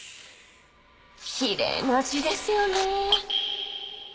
きれいな字ですよね